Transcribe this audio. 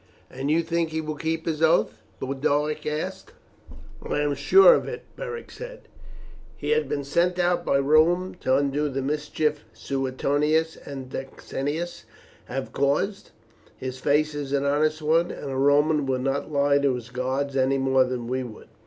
"And you think he will keep his oath?" Boduoc asked. "I am sure of it," Beric said; "he has been sent out by Rome to undo the mischief Suetonius and Decianus have caused. His face is an honest one, and a Roman would not lie to his gods any more than we would."